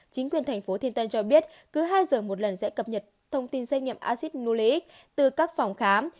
chính quyền thành phố thiên tân cho biết cứ hai giờ một lần sẽ cập nhật thông tin xét nghiệm acid nulit từ các phòng khám